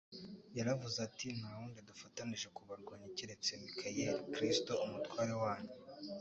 yaravuze ati, ''Nta wundi dufatanije kubarwanya keretse Mikayeli, [Kristo] umutware wanyu.